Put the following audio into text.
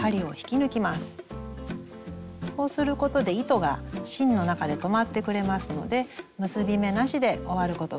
そうすることで糸が芯の中で留まってくれますので結び目なしで終わることができます。